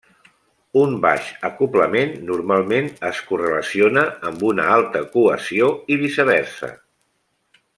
Un baix acoblament normalment es correlaciona amb una alta cohesió, i viceversa.